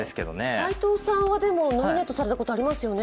斎藤さんはノミネートしたことありますよね？